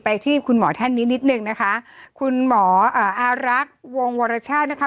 ที่คุณหมอท่านนี้นิดนึงนะคะคุณหมออารักษ์วงวรชาตินะคะ